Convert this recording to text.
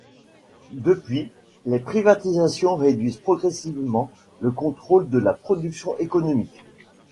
Depuis, les privatisations réduisent progressivement le contrôle sur la production économique.